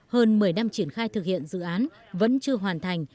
hơn một mươi năm triển khai thực hiện dự án vẫn chưa hoàn thành